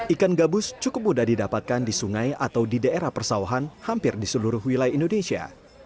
ikan gabus cukup mudah didapatkan di sungai atau di daerah persawahan hampir di seluruh wilayah indonesia